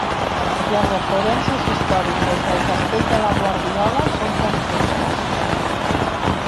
Les referències històriques del castell de la Guardiola són confuses.